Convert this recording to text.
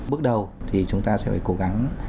bước đầu thì chúng ta sẽ phải cố gắng